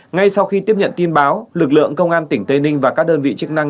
ngay sau khi tiếp nhận tin báo lực lượng công an tỉnh tây ninh và các đơn vị chức năng